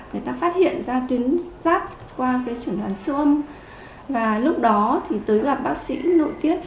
người ta phát hiện ra tuyến giáp qua chuẩn đoàn sơ âm và lúc đó thì tới gặp bác sĩ nội tiết